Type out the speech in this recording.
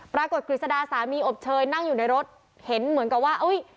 กฤษดาสามีอบเชยนั่งอยู่ในรถเห็นเหมือนกับว่าอุ้ย